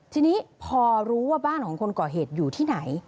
ทีนี้พอรู้ว่าบ้านของคนก่อเหตุอยู่ที่ไหน